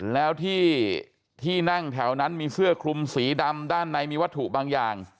แล้วที่นั่งแถวนั้นมีเสื้อคลุมสีดำด้านในมีวัตถุบางอย่าง